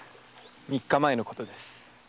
三日前のことです。